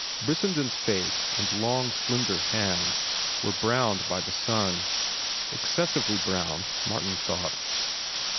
Brissenden's face and long, slender hands were browned by the sun—excessively browned, Martin thought.